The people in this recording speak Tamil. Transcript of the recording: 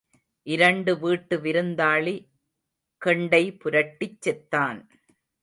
இரண்டு வீட்டு விருந்தாளி கெண்டை புரட்டிச் செத்தான்.